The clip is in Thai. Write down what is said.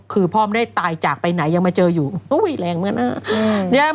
คือพ่อมันได้ตายจากไปไหนยังมาเจออยู่แรงมากนั้น